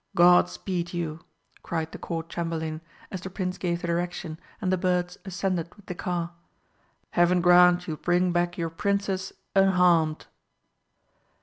God speed you!" cried the Court Chamberlain, as the Prince gave the direction, and the birds ascended with the car. "Heaven grant you bring back your Princess unharmed!"